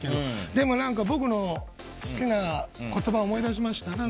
でも、僕の好きな言葉を思い出しました。